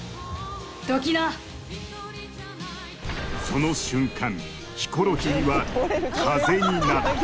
その瞬間ヒコロヒーは風になった